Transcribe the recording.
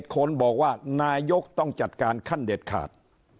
คนบอกว่านายกต้องจัดการขั้นเด็ดขาด